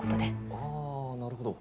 ああなるほど。